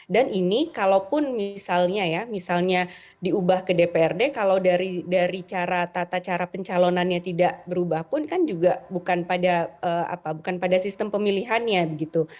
dan ini kalau pun misalnya ya misalnya diubah ke dprd kalau dari cara pencalonannya tidak berubah pun kan juga bukan pada sistem pemilihannya gitu